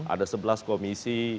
ada sebelas komisi